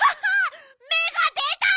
めが出た！